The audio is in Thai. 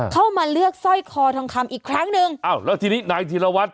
เข้ามาเลือกสร้อยคอทองคำอีกครั้งหนึ่งอ้าวแล้วทีนี้นายธีรวัตร